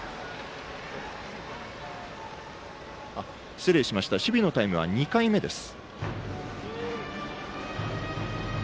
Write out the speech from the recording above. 失礼しました守備のタイムは２回目です。